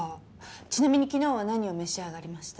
ちなみに昨日は何を召し上がりました？